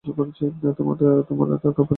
তোমার তাকে অপছন্দ করা উচিত না।